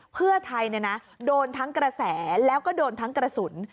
เพื่อไทยโดนทั้งกระแสแล้วก็โดนทั้งกระสุน